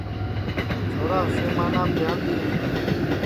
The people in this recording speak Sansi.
چھورا سمانپ دھیان دؔیئیں